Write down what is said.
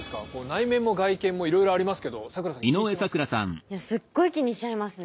内面も外見もいろいろありますけど咲楽さん気にしてます？